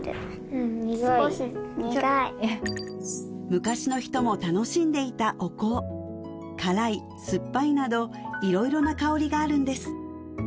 昔の人も楽しんでいたお香辛い酸っぱいなど色々な香りがあるんです